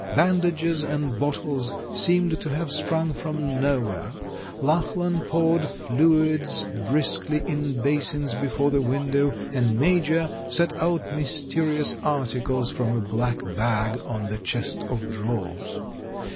Bandages and bottles seemed to have sprung from nowhere. Lachlan poured fluids briskly in basins before the window, and JNIajor set out mysterious articles from a black bag on the chest of drawers.